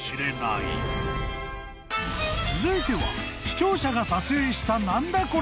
［続いては］